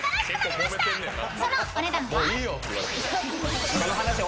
［そのお値段は？］